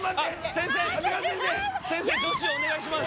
先生女子お願いします。